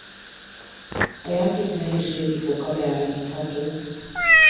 A játék nehézségi foka beállítható.